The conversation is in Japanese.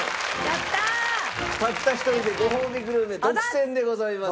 たった１人でごほうびグルメ独占でございます。